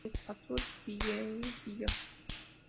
Les Autels-Villevillon